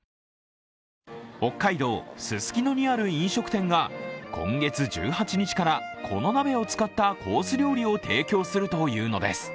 北海道ススキノにある飲食店が今月１８日から、この鍋を使ったコース料理を提供するというのです。